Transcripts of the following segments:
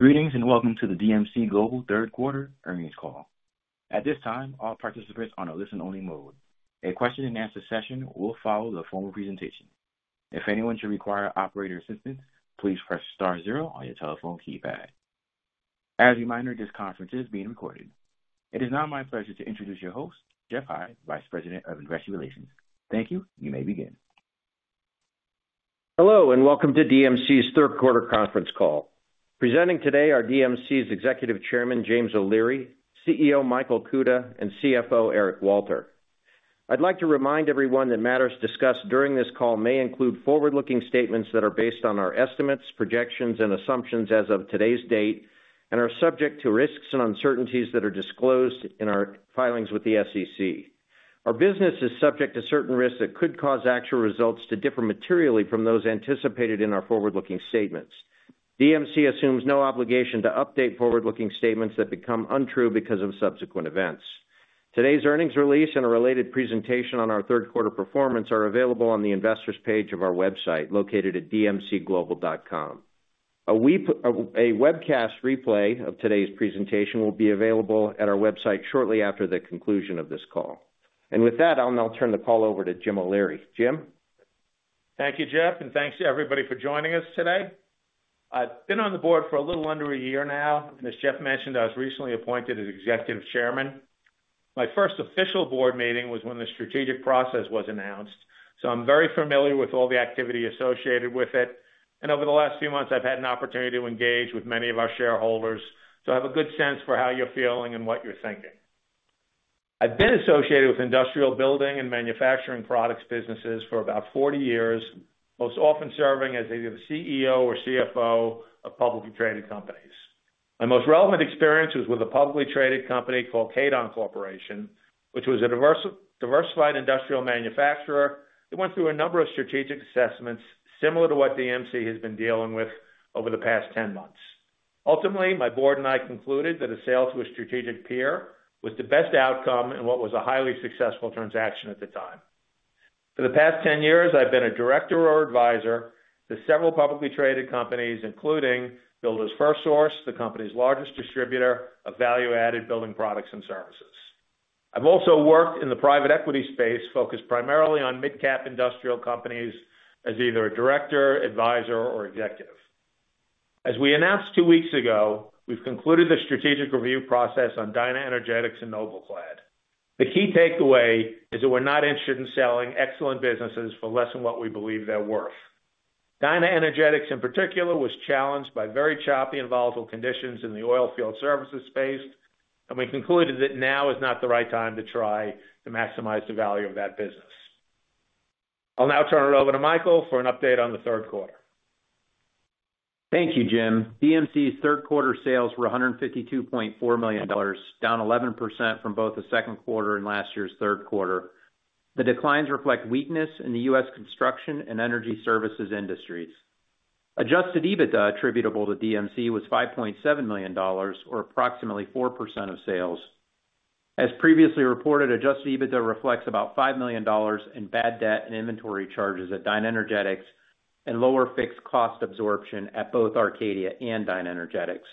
Greetings and welcome to the DMC Global Third Quarter earnings call. At this time, all participants are on a listen-only mode. A question-and-answer session will follow the formal presentation. If anyone should require operator assistance, please press star zero on your telephone keypad. As a reminder, this conference is being recorded. It is now my pleasure to introduce your host, Geoff High, Vice President of Investor Relations. Thank you. You may begin. Hello, and welcome to DMC's Third Quarter Conference Call. Presenting today are DMC's Executive Chairman, James O'Leary, CEO, Michael Kuta, and CFO, Eric Walter. I'd like to remind everyone that matters discussed during this call may include forward-looking statements that are based on our estimates, projections, and assumptions as of today's date, and are subject to risks and uncertainties that are disclosed in our filings with the SEC. Our business is subject to certain risks that could cause actual results to differ materially from those anticipated in our forward-looking statements. DMC assumes no obligation to update forward-looking statements that become untrue because of subsequent events. Today's earnings release and a related presentation on our third quarter performance are available on the investors' page of our website located at dmcglobal.com. A webcast replay of today's presentation will be available at our website shortly after the conclusion of this call. With that, I'll now turn the call over to Jim O'Leary. Jim? Thank you, Geoff, and thanks to everybody for joining us today. I've been on the board for a little under a year now, and as Geoff mentioned, I was recently appointed as Executive Chairman. My first official board meeting was when the strategic process was announced, so I'm very familiar with all the activity associated with it. Over the last few months, I've had an opportunity to engage with many of our shareholders, so I have a good sense for how you're feeling and what you're thinking. I've been associated with industrial building and manufacturing products businesses for about 40 years, most often serving as either the CEO or CFO of publicly traded companies. My most relevant experience was with a publicly traded company called Kadant Corporation, which was a diversified industrial manufacturer that went through a number of strategic assessments similar to what DMC has been dealing with over the past 10 months. Ultimately, my board and I concluded that a sale to a strategic peer was the best outcome and what was a highly successful transaction at the time. For the past 10 years, I've been a director or advisor to several publicly traded companies, including Builders FirstSource, the company's largest distributor of value-added building products and services. I've also worked in the private equity space, focused primarily on mid-cap industrial companies as either a director, advisor, or executive. As we announced two weeks ago, we've concluded the strategic review process on DynaEnergetics and NobelClad. The key takeaway is that we're not interested in selling excellent businesses for less than what we believe they're worth. DynaEnergetics, in particular, was challenged by very choppy and volatile conditions in the oil field services space, and we concluded that now is not the right time to try to maximize the value of that business. I'll now turn it over to Michael for an update on the third quarter. Thank you, Jim. DMC's third quarter sales were $152.4 million, down 11% from both the second quarter and last year's third quarter. The declines reflect weakness in the U.S. construction and energy services industries. Adjusted EBITDA attributable to DMC was $5.7 million, or approximately 4% of sales. As previously reported, adjusted EBITDA reflects about $5 million in bad debt and inventory charges at DynaEnergetics and lower fixed cost absorption at both Arcadia and DynaEnergetics.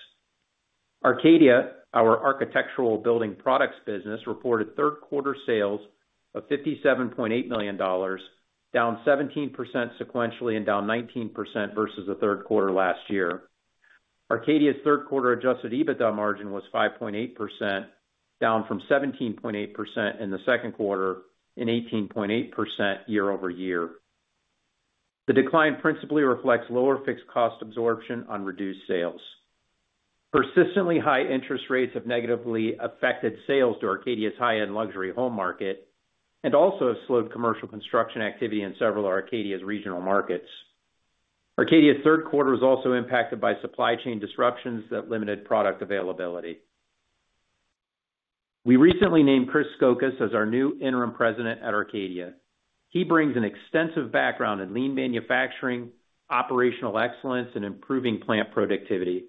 Arcadia, our architectural building products business, reported third quarter sales of $57.8 million, down 17% sequentially and down 19% versus the third quarter last year. Arcadia's third quarter adjusted EBITDA margin was 5.8%, down from 17.8% in the second quarter and 18.8% year over year. The decline principally reflects lower fixed cost absorption on reduced sales. Persistently high interest rates have negatively affected sales to Arcadia's high-end luxury home market and also have slowed commercial construction activity in several of Arcadia's regional markets. Arcadia's third quarter was also impacted by supply chain disruptions that limited product availability. We recently named Chris Scocas as our new Interim President at Arcadia. He brings an extensive background in Lean manufacturing, operational excellence, and improving plant productivity.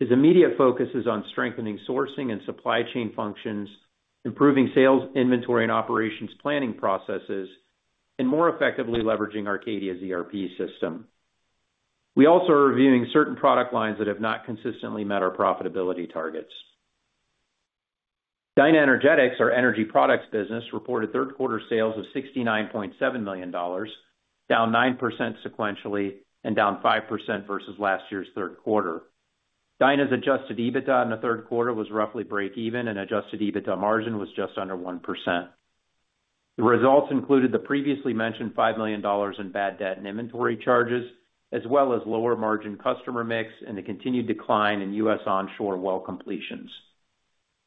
His immediate focus is on strengthening sourcing and supply chain functions, improving sales, inventory, and operations planning processes, and more effectively leveraging Arcadia's ERP system. We also are reviewing certain product lines that have not consistently met our profitability targets. DynaEnergetics, our energy products business, reported third quarter sales of $69.7 million, down 9% sequentially and down 5% versus last year's third quarter. Dyna's Adjusted EBITDA in the third quarter was roughly breakeven, and Adjusted EBITDA margin was just under 1%. The results included the previously mentioned $5 million in bad debt and inventory charges, as well as lower margin customer mix and the continued decline in U.S. onshore well completions.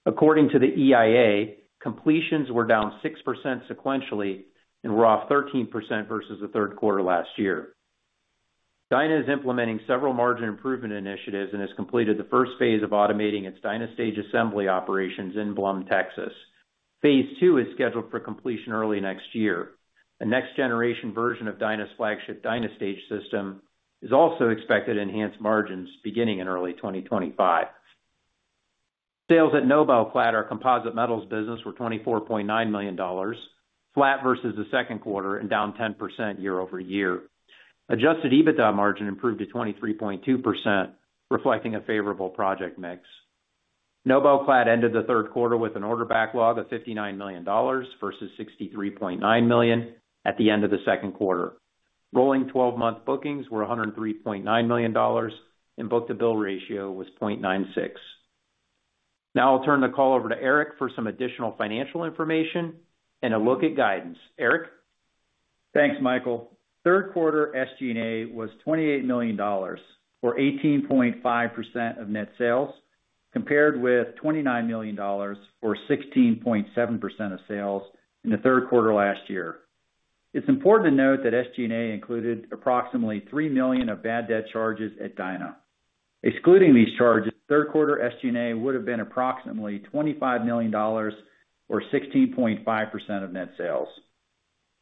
According to the EIA, completions were down 6% sequentially and were off 13% versus the third quarter last year. Dyna is implementing several margin improvement initiatives and has completed the first phase of automating its DynaStage assembly operations in Blum, Texas. Phase two is scheduled for completion early next year. A next-generation version of Dyna's flagship DynaStage system is also expected to enhance margins beginning in early 2025. Sales at NobelClad, our composite metals business, were $24.9 million flat versus the second quarter and down 10% year over year. Adjusted EBITDA margin improved to 23.2%, reflecting a favorable project mix. NobelClad ended the third quarter with an order backlog of $59 million versus $63.9 million at the end of the second quarter. Rolling 12-month bookings were $103.9 million, and book-to-bill ratio was 0.96. Now I'll turn the call over to Eric for some additional financial information and a look at guidance. Eric? Thanks, Michael. Third quarter SG&A was $28 million for 18.5% of net sales, compared with $29 million for 16.7% of sales in the third quarter last year. It's important to note that SG&A included approximately $3 million of bad debt charges at Dyna. Excluding these charges, third quarter SG&A would have been approximately $25 million or 16.5% of net sales.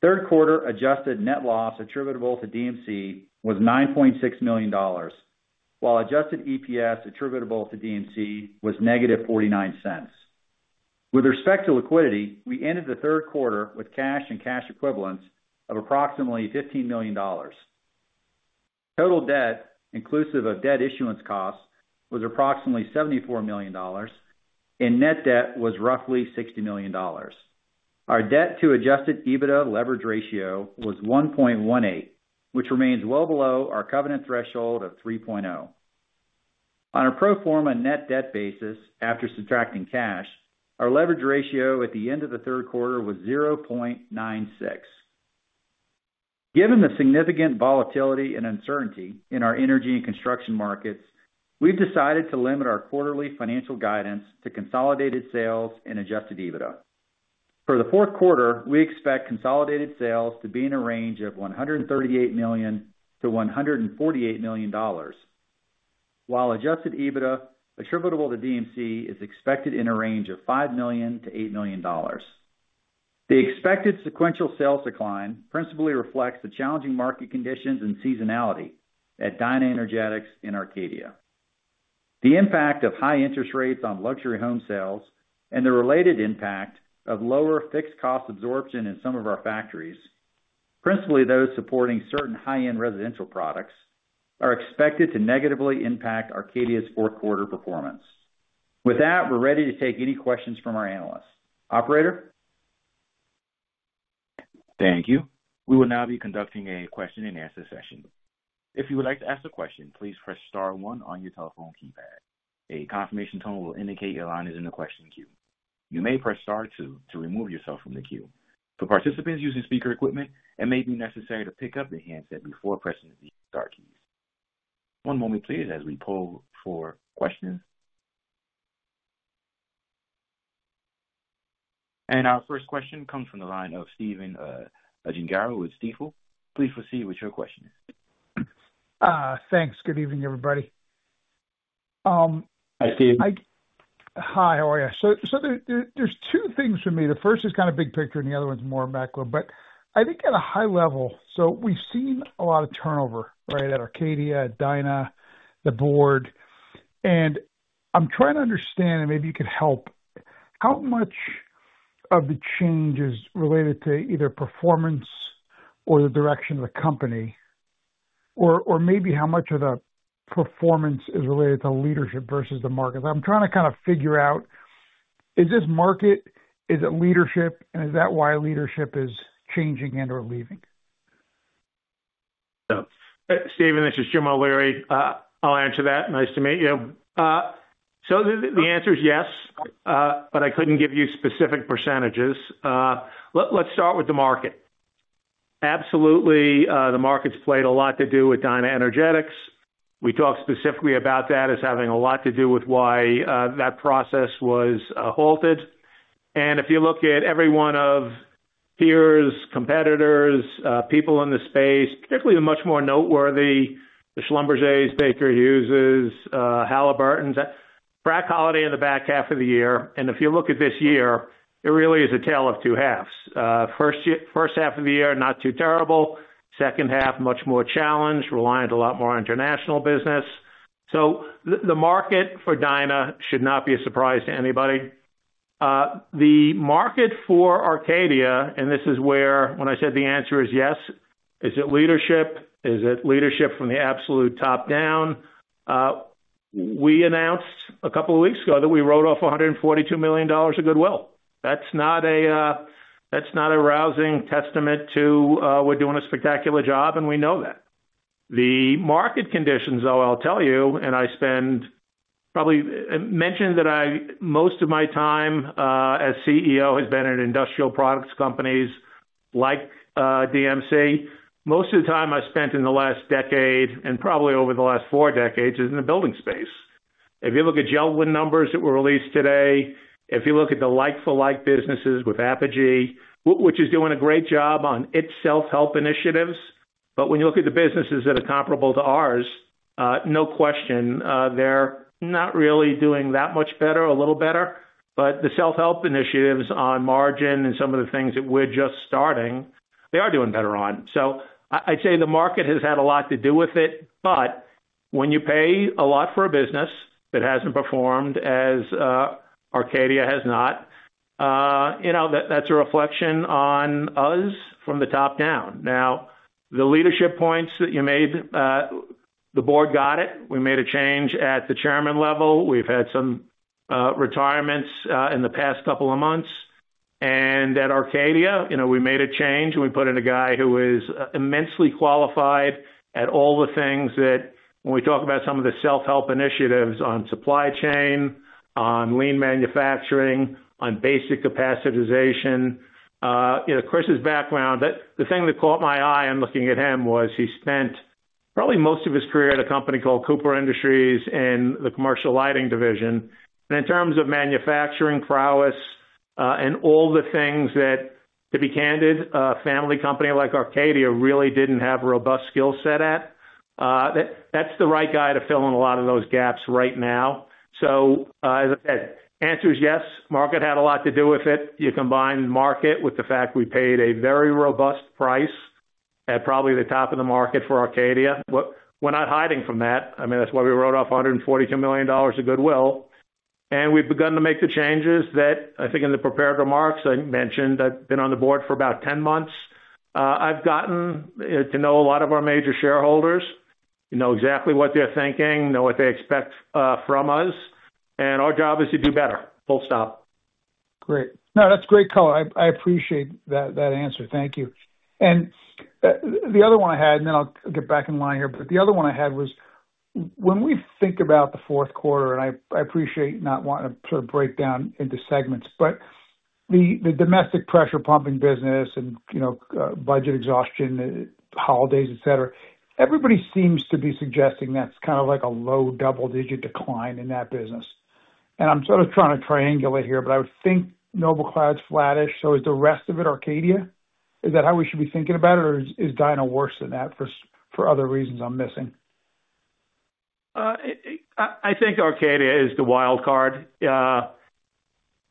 Third quarter adjusted net loss attributable to DMC was $9.6 million, while adjusted EPS attributable to DMC was negative $0.49. With respect to liquidity, we ended the third quarter with cash and cash equivalents of approximately $15 million. Total debt, inclusive of debt issuance costs, was approximately $74 million, and net debt was roughly $60 million. Our debt-to-adjusted EBITDA leverage ratio was 1.18, which remains well below our covenant threshold of 3.0. On a pro forma net debt basis, after subtracting cash, our leverage ratio at the end of the third quarter was 0.96. Given the significant volatility and uncertainty in our energy and construction markets, we've decided to limit our quarterly financial guidance to consolidated sales and Adjusted EBITDA. For the fourth quarter, we expect consolidated sales to be in a range of $138-$148 million, while Adjusted EBITDA attributable to DMC is expected in a range of $5-$8 million. The expected sequential sales decline principally reflects the challenging market conditions and seasonality at DynaEnergetics and Arcadia. The impact of high interest rates on luxury home sales and the related impact of lower fixed cost absorption in some of our factories, principally those supporting certain high-end residential products, are expected to negatively impact Arcadia's fourth quarter performance. With that, we're ready to take any questions from our analysts. Operator? Thank you. We will now be conducting a question-and-answer session. If you would like to ask a question, please press star one on your telephone keypad. A confirmation tone will indicate your line is in the question queue. You may press star two to remove yourself from the queue. For participants using speaker equipment, it may be necessary to pick up the handset before pressing the star keys. One moment, please, as we pull for questions. Our first question comes from the line of Stephen Gengaro with Stifel. Please proceed with your question. Thanks. Good evening, everybody. Hi, Steve. Hi, how are you? So there's two things for me. The first is kind of big picture, and the other one's more macro. But I think at a high level, so we've seen a lot of turnover, right, at Arcadia, at Dyna, the board. And I'm trying to understand, and maybe you could help, how much of the change is related to either performance or the direction of the company, or maybe how much of the performance is related to leadership versus the market. I'm trying to kind of figure out, is this market, is it leadership, and is that why leadership is changing and/or leaving? Stephen, this is Jim O'Leary. I'll answer that. Nice to meet you. So the answer is yes, but I couldn't give you specific percentages. Let's start with the market. Absolutely, the market's had a lot to do with DynaEnergetics. We talk specifically about that as having a lot to do with why that process was halted. And if you look at every one of peers, competitors, people in the space, particularly the much more noteworthy, the Schlumberger, Baker Hughes, Halliburton, frac holiday in the back half of the year. And if you look at this year, it really is a tale of two halves. First half of the year, not too terrible. Second half, much more challenged, reliant a lot more on international business. So the market for Dyna should not be a surprise to anybody. The market for Arcadia, and this is where, when I said the answer is yes, is it leadership? Is it leadership from the absolute top down? We announced a couple of weeks ago that we wrote off $142 million of goodwill. That's not a rousing testament to we're doing a spectacular job, and we know that. The market conditions, though, I'll tell you, and I spent, probably mentioned that most of my time as CEO has been in industrial products companies like DMC. Most of the time I spent in the last decade and probably over the last four decades is in the building space. If you look at JELD-WEN numbers that were released today, if you look at the like-for-like businesses with Apogee, which is doing a great job on its self-help initiatives, but when you look at the businesses that are comparable to ours, no question, they're not really doing that much better, a little better. But the self-help initiatives on margin and some of the things that we're just starting, they are doing better on. So I'd say the market has had a lot to do with it. But when you pay a lot for a business that hasn't performed as Arcadia has not, that's a reflection on us from the top down. Now, the leadership points that you made, the board got it. We made a change at the chairman level. We've had some retirements in the past couple of months. And at Arcadia, we made a change, and we put in a guy who is immensely qualified at all the things that, when we talk about some of the self-help initiatives on supply chain, on lean manufacturing, on basic capacitization, Chris's background. The thing that caught my eye in looking at him was he spent probably most of his career at a company called Cooper Industries in the commercial lighting division. And in terms of manufacturing prowess and all the things that, to be candid, a family company like Arcadia really didn't have a robust skill set at, that's the right guy to fill in a lot of those gaps right now. So as I said, answer is yes. Market had a lot to do with it. You combine market with the fact we paid a very robust price at probably the top of the market for Arcadia. We're not hiding from that. I mean, that's why we wrote off $142 million of goodwill, and we've begun to make the changes that I think in the prepared remarks I mentioned. I've been on the board for about 10 months. I've gotten to know a lot of our major shareholders. We know exactly what they're thinking, know what they expect from us, and our job is to do better. Full stop. Great. No, that's great color. I appreciate that answer. Thank you. And the other one I had, and then I'll get back in line here, but the other one I had was when we think about the fourth quarter, and I appreciate not wanting to sort of break down into segments, but the domestic pressure pumping business and budget exhaustion, holidays, etc., everybody seems to be suggesting that's kind of like a low double-digit decline in that business. And I'm sort of trying to triangulate here, but I would think NobelClad's flattish. So is the rest of it Arcadia? Is that how we should be thinking about it, or is Dyna worse than that for other reasons I'm missing? I think Arcadia is the wild card.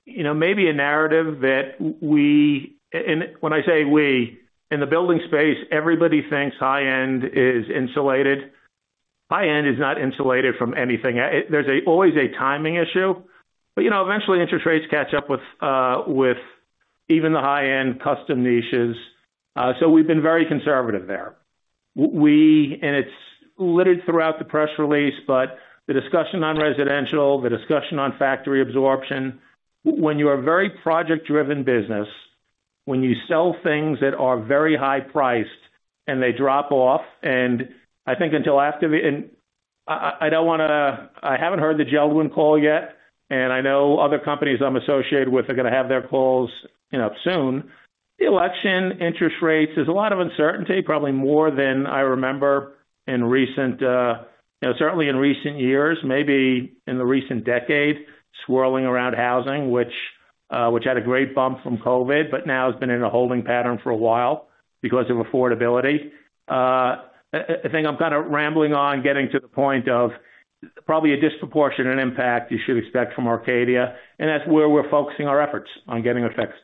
Maybe a narrative that we, and when I say we, in the building space, everybody thinks high-end is insulated. High-end is not insulated from anything. There's always a timing issue. But eventually, interest rates catch up with even the high-end custom niches. So we've been very conservative there. And it's littered throughout the press release, but the discussion on residential, the discussion on factory absorption, when you're a very project-driven business, when you sell things that are very high-priced and they drop off, and I think until after the, and I don't want to, I haven't heard the JELD-WEN call yet, and I know other companies I'm associated with are going to have their calls soon. The election, interest rates, there's a lot of uncertainty, probably more than I remember in recent, certainly in recent years, maybe in the recent decade, swirling around housing, which had a great bump from COVID, but now has been in a holding pattern for a while because of affordability. I think I'm kind of rambling on, getting to the point of probably a disproportionate impact you should expect from Arcadia. And that's where we're focusing our efforts on getting it fixed.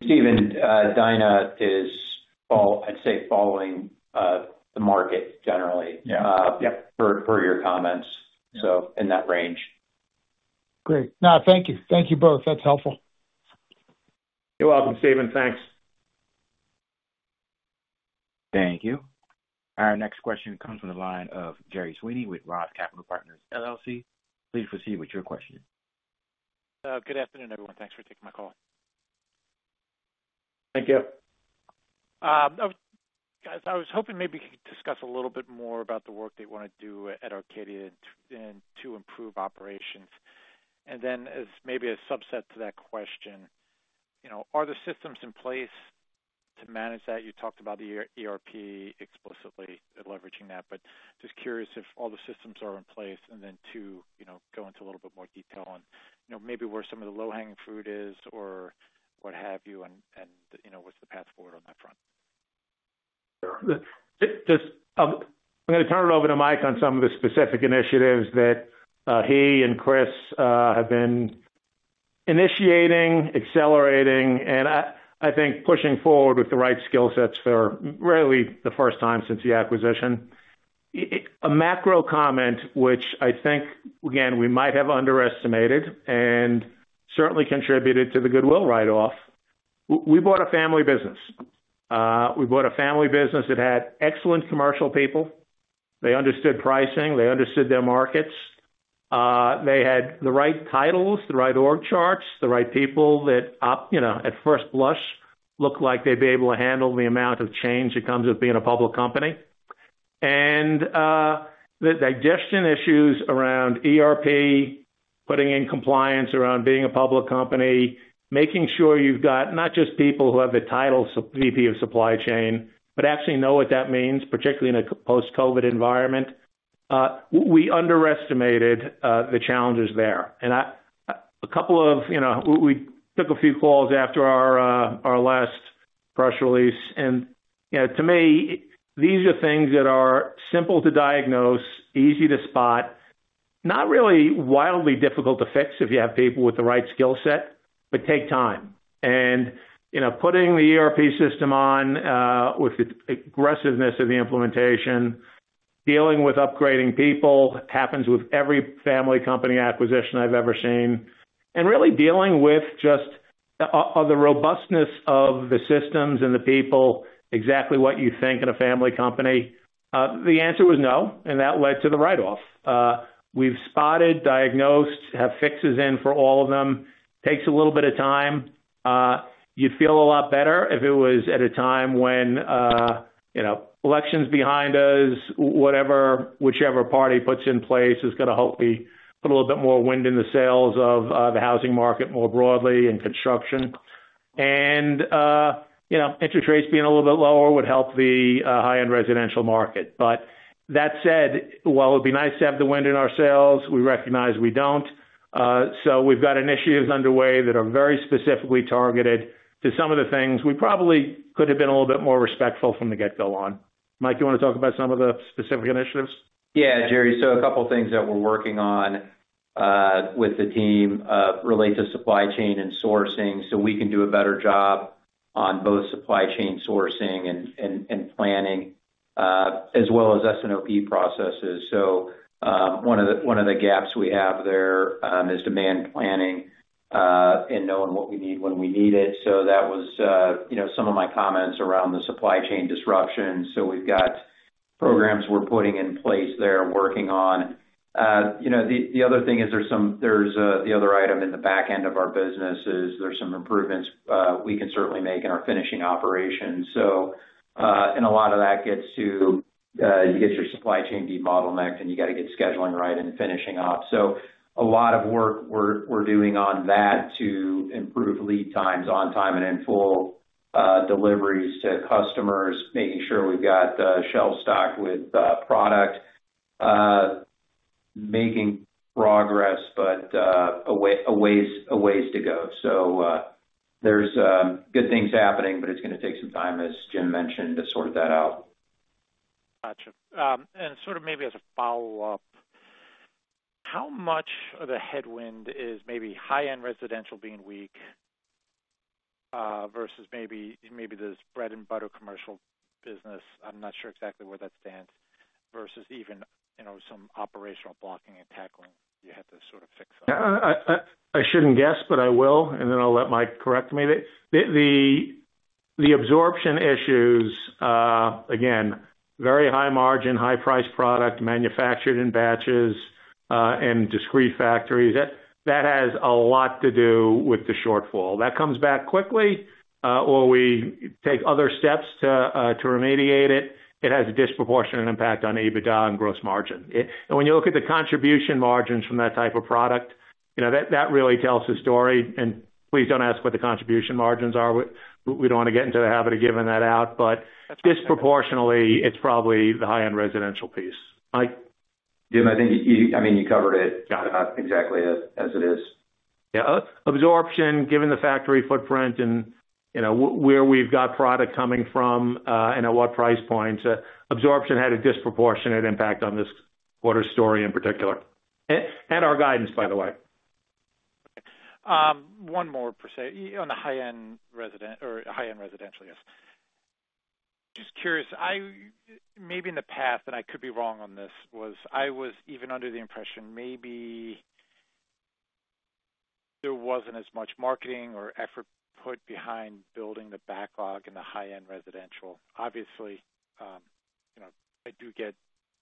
Stephen, Dyna is, I'd say, following the market generally for your comments, so in that range. Great. No, thank you. Thank you both. That's helpful. You're welcome, Stephen. Thanks. Thank you. Our next question comes from the line of Gerry Sweeney with Roth Capital Partners LLC. Please proceed with your question. Good afternoon, everyone. Thanks for taking my call. Thank you. Guys, I was hoping maybe we could discuss a little bit more about the work they want to do at Arcadia to improve operations. And then as maybe a subset to that question, are the systems in place to manage that? You talked about the ERP explicitly leveraging that, but just curious if all the systems are in place and then to go into a little bit more detail on maybe where some of the low-hanging fruit is or what have you and what's the path forward on that front. I'm going to turn it over to Mike on some of the specific initiatives that he and Chris have been initiating, accelerating, and I think pushing forward with the right skill sets for really the first time since the acquisition. A macro comment, which I think, again, we might have underestimated and certainly contributed to the goodwill write-off. We bought a family business. We bought a family business that had excellent commercial people. They understood pricing. They understood their markets. They had the right titles, the right org charts, the right people that at first blush looked like they'd be able to handle the amount of change that comes with being a public company. The digesting issues around ERP, putting in compliance around being a public company, making sure you've got not just people who have the title VP of supply chain, but actually know what that means, particularly in a post-COVID environment. We underestimated the challenges there. We took a few calls after our last press release. To me, these are things that are simple to diagnose, easy to spot, not really wildly difficult to fix if you have people with the right skill set, but take time. Putting the ERP system on with the aggressiveness of the implementation, dealing with upgrading people happens with every family company acquisition I've ever seen. Really dealing with just the robustness of the systems and the people, exactly what you think in a family company. The answer was no, and that led to the write-off. We've spotted, diagnosed, have fixes in for all of them. It takes a little bit of time. You'd feel a lot better if it was at a time when election's behind us, whichever party puts in place is going to hopefully put a little bit more wind in the sails of the housing market more broadly and construction, and interest rates being a little bit lower would help the high-end residential market. But that said, while it would be nice to have the wind in our sails, we recognize we don't, so we've got initiatives underway that are very specifically targeted to some of the things we probably could have been a little bit more respectful from the get-go on. Mike, do you want to talk about some of the specific initiatives? Yeah, Jerry. So a couple of things that we're working on with the team relate to supply chain and sourcing so we can do a better job on both supply chain sourcing and planning as well as S&OP processes. So one of the gaps we have there is demand planning and knowing what we need when we need it. So that was some of my comments around the supply chain disruption. So we've got programs we're putting in place there working on. The other thing is there's the other item in the back end of our business is there's some improvements we can certainly make in our finishing operations. And a lot of that gets to you get your supply chain deep bottleneck, and you got to get scheduling right and finishing up. So a lot of work we're doing on that to improve lead times, on-time and in full deliveries to customers, making sure we've got shelf stock with product, making progress, but a ways to go. So there's good things happening, but it's going to take some time, as Jim mentioned, to sort that out. Gotcha. And sort of maybe as a follow-up, how much of the headwind is maybe high-end residential being weak versus maybe the bread-and-butter commercial business? I'm not sure exactly where that stands versus even some operational blocking and tackling you have to sort of fix up. I shouldn't guess, but I will, and then I'll let Mike correct me. The absorption issues, again, very high margin, high-priced product manufactured in batches and discrete factories, that has a lot to do with the shortfall. That comes back quickly. Or we take other steps to remediate it. It has a disproportionate impact on EBITDA and gross margin, and when you look at the contribution margins from that type of product, that really tells the story, and please don't ask what the contribution margins are. We don't want to get into the habit of giving that out, but disproportionately, it's probably the high-end residential piece. Jim, I think you covered it exactly as it is. Yeah. Absorption, given the factory footprint and where we've got product coming from and at what price points, absorption had a disproportionate impact on this quarter story in particular, and our guidance, by the way. One more per se on the high-end residential, yes. Just curious, maybe in the past, and I could be wrong on this. I was even under the impression maybe there wasn't as much marketing or effort put behind building the backlog in the high-end residential. Obviously, I do get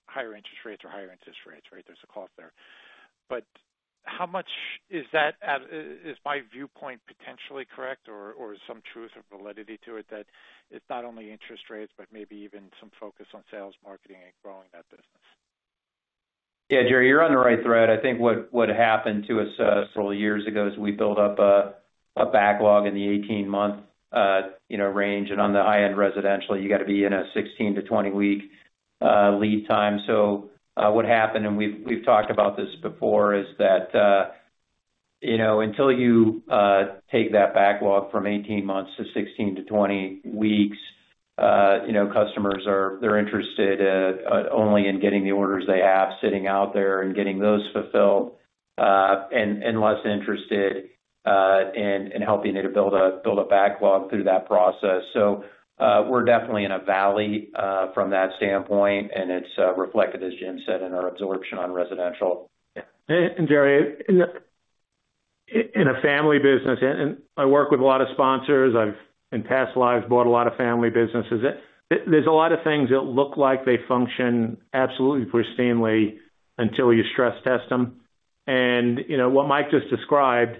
higher interest rates, right? There's a cost there. But how much is that? Is my viewpoint potentially correct, or is some truth or validity to it that it's not only interest rates, but maybe even some focus on sales, marketing, and growing that business? Yeah, Gerry, you're on the right track. I think what happened to us several years ago is we built up a backlog in the 18-month range. On the high-end residential, you got to be in a 16-20-week lead time. So what happened, and we've talked about this before, is that until you take that backlog from 18 months to 16-20 weeks, customers, they're interested only in getting the orders they have sitting out there and getting those fulfilled and less interested in helping you to build a backlog through that process. So we're definitely in a valley from that standpoint, and it's reflected, as Jim said, in our absorption on residential. And Jerry, in a family business, and I work with a lot of sponsors. I've, in past lives, bought a lot of family businesses. There's a lot of things that look like they function absolutely pristinely until you stress test them. And what Mike just described,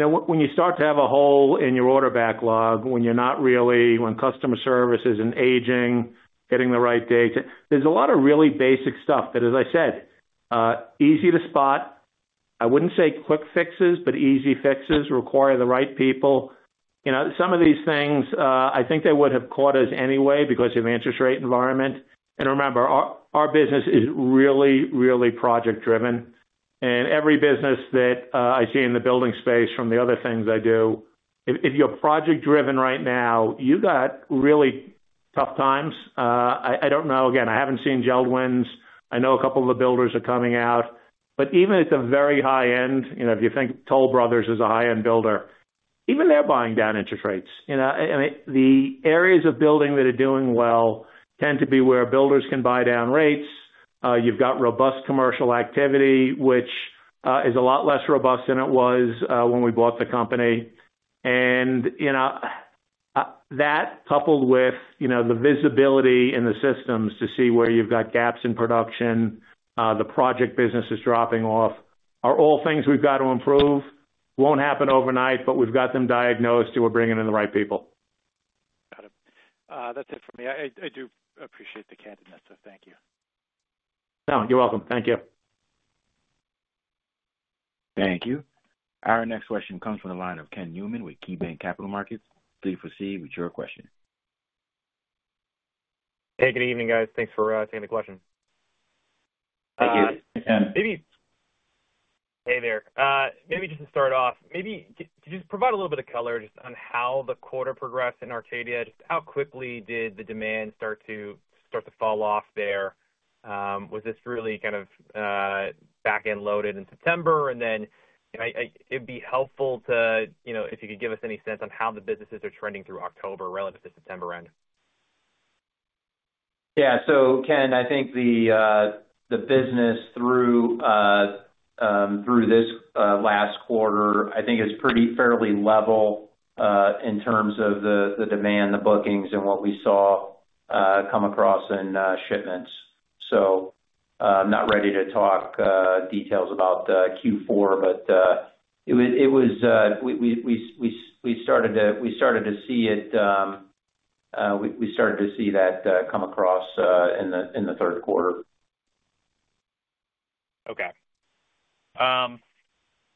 when you start to have a hole in your order backlog, when you're not really, when customer service isn't aging, getting the right data, there's a lot of really basic stuff that, as I said, easy to spot. I wouldn't say quick fixes, but easy fixes require the right people. Some of these things, I think they would have caught us anyway because of the interest rate environment. And remember, our business is really, really project-driven. And every business that I see in the building space, from the other things I do, if you're project-driven right now, you've got really tough times. I don't know. Again, I haven't seen JELD-WEN's. I know a couple of the builders are coming out. But even at the very high end, if you think Toll Brothers is a high-end builder, even they're buying down interest rates. The areas of building that are doing well tend to be where builders can buy down rates. You've got robust commercial activity, which is a lot less robust than it was when we bought the company. And that, coupled with the visibility in the systems to see where you've got gaps in production, the project business is dropping off, are all things we've got to improve. Won't happen overnight, but we've got them diagnosed and we're bringing in the right people. Got it. That's it for me. I do appreciate the candidness, so thank you. No, you're welcome. Thank you. Thank you. Our next question comes from the line of Ken Newman with KeyBanc Capital Markets. Please proceed with your question. Hey, good evening, guys. Thanks for taking the question. Thank you. Maybe. Hey there. Maybe just to start off, maybe to just provide a little bit of color just on how the quarter progressed in Arcadia, just how quickly did the demand start to fall off there? Was this really kind of back-end loaded in September? And then it'd be helpful if you could give us any sense on how the businesses are trending through October relative to September end. Yeah. So, Ken, I think the business through this last quarter, I think it's pretty fairly level in terms of the demand, the bookings, and what we saw come across in shipments. So, I'm not ready to talk details about Q4, but it was. We started to see it. We started to see that come across in the third quarter. Okay.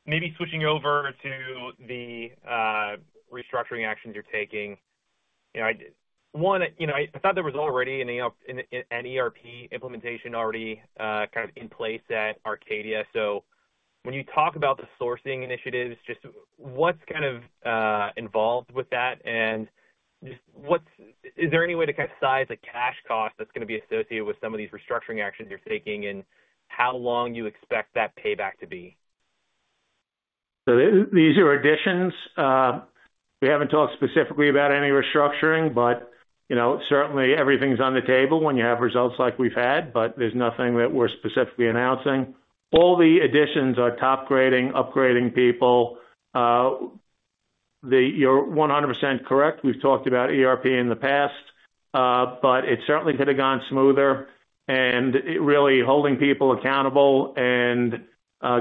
Maybe switching over to the restructuring actions you're taking. One, I thought there was already an ERP implementation already kind of in place at Arcadia. So when you talk about the sourcing initiatives, just what's kind of involved with that? And is there any way to kind of size the cash cost that's going to be associated with some of these restructuring actions you're taking and how long you expect that payback to be? These are additions. We haven't talked specifically about any restructuring, but certainly everything's on the table when you have results like we've had, but there's nothing that we're specifically announcing. All the additions are top-grading, upgrading people. You're 100% correct. We've talked about ERP in the past, but it certainly could have gone smoother, and really holding people accountable and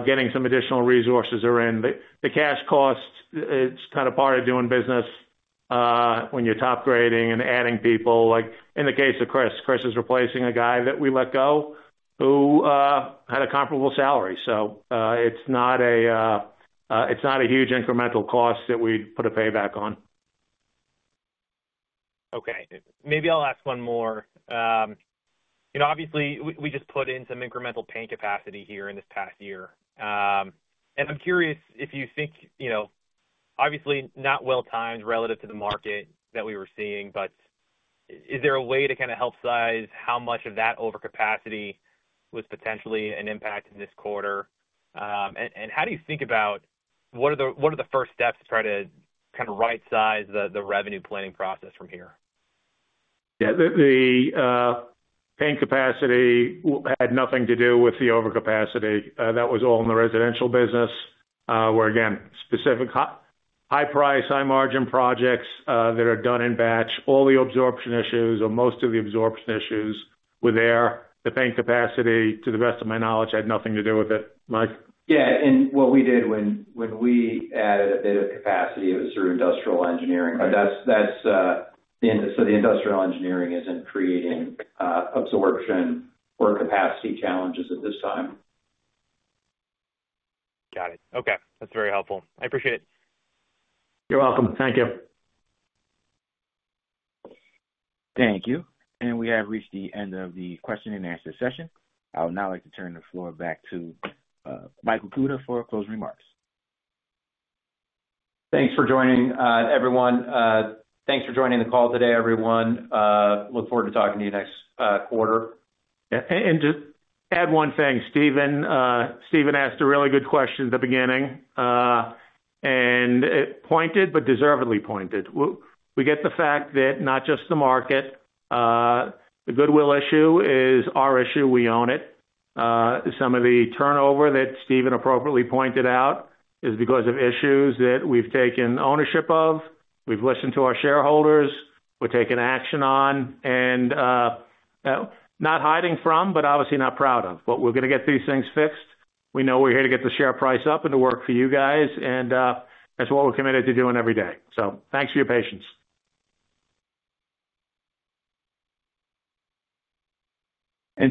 getting some additional resources are in. The cash cost, it's kind of part of doing business when you're top-grading and adding people. In the case of Chris, Chris is replacing a guy that we let go who had a comparable salary. So it's not a huge incremental cost that we'd put a payback on. Okay. Maybe I'll ask one more. Obviously, we just put in some incremental painting capacity here in this past year, and I'm curious if you think, obviously, not well timed relative to the market that we were seeing, but is there a way to kind of help size how much of that overcapacity was potentially an impact in this quarter, and how do you think about what are the first steps to try to kind of right-size the revenue planning process from here? Yeah. The paying capacity had nothing to do with the overcapacity. That was all in the residential business, where, again, specific high-price, high-margin projects that are done in batch, all the absorption issues or most of the absorption issues were there. The paying capacity, to the best of my knowledge, had nothing to do with it. Mike. Yeah. And what we did when we added a bit of capacity, it was through industrial engineering. So the industrial engineering isn't creating absorption or capacity challenges at this time. Got it. Okay. That's very helpful. I appreciate it. You're welcome. Thank you. Thank you. And we have reached the end of the question-and-answer session. I would now like to turn the floor back to Michael Kuta for closing remarks. Thanks for joining, everyone. Thanks for joining the call today, everyone. Look forward to talking to you next quarter. And just add one thing. Stephen asked a really good question at the beginning, and it pointed, but deservedly pointed. We get the fact that not just the market. The goodwill issue is our issue. We own it. Some of the turnover that Stephen appropriately pointed out is because of issues that we've taken ownership of. We've listened to our shareholders. We're taking action on and not hiding from, but obviously not proud of. But we're going to get these things fixed. We know we're here to get the share price up and to work for you guys. And that's what we're committed to doing every day. So thanks for your patience.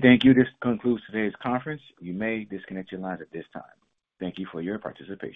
Thank you. This concludes today's conference. You may disconnect your line at this time. Thank you for your participation.